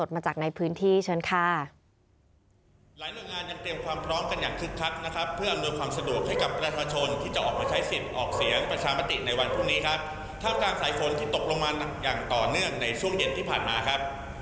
มาจากในพื้นที่เชิญค่ะ